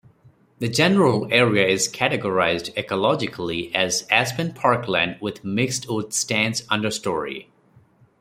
The general area is categorized ecologically as aspen parkland with mixedwood stands understory.